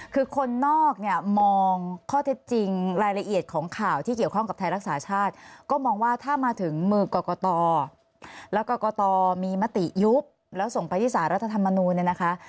คือคนนอกเนี่ยมองข้อเท็จจริงรายละเอียดของข่าวที่เกี่ยวข้องกับไทยรักษาชาติก็มองว่าถ้ามาถึงมือกรกตแล้วกรกตมีมติยุบแล้วส่งไปที่สารรัฐธรรมนูลเนี่ยนะคะ